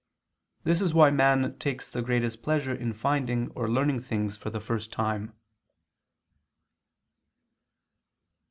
This is why man takes the greatest pleasure in finding or learning things for the first time.